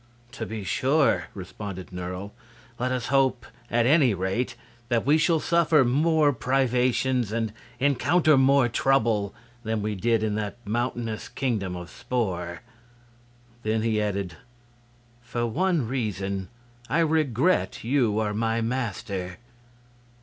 "To be sure!" responded Nerle. "Let us hope, at any rate, that we shall suffer more privations and encounter more trouble than we did in that mountainous Kingdom of Spor." Then he added: "For one reason, I regret you are my master."